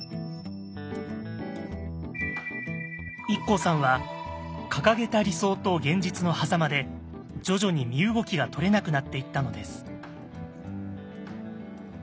ＩＫＫＯさんは掲げた理想と現実のはざまで徐々に身動きがとれなくなっていったのです。